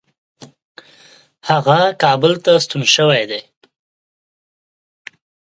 هغه کابل ته ستون شوی دی.